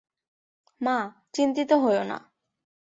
মা, চিন্তিত হয়ো না।